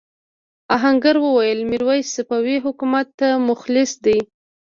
آهنګر وویل میرويس صفوي حکومت ته مخلص دی.